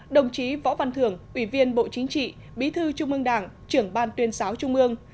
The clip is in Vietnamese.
đồng chí võ văn thưởng ủy viên bộ chính trị bí thư trung ương đảng trưởng ban tuyên giáo trung ương